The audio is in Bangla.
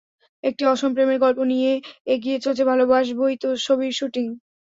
একটি অসম প্রেমের গল্প নিয়ে এগিয়ে চলেছে ভালোবাসবই তো ছবির শুটিং।